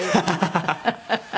ハハハハ。